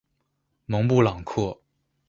蒙布朗克。